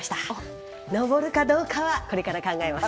登るかどうかはこれから考えます。